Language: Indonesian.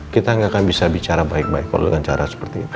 kita nggak akan bisa bicara baik baik kalau dengan cara seperti itu